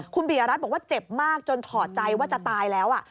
คุณปียรัฐบอกว่าเจ็บมากจนถอดใจว่าจะตายแล้ว